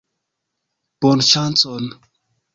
Bonŝancon!